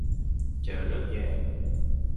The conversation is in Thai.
เจอเรื่องแย่